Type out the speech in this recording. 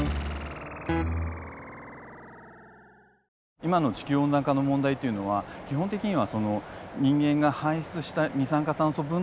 今の地球温暖化の問題っていうのは基本的にはその人間が排出した二酸化炭素分だけ